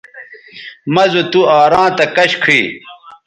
مہ زو تُوآراں تھا کش کھئ